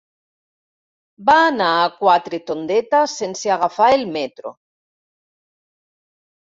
Va anar a Quatretondeta sense agafar el metro.